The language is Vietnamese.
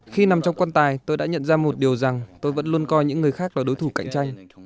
khi nằm trong quan tài tôi đã nhận ra một điều rằng tôi vẫn luôn coi những người khác là đối thủ cạnh tranh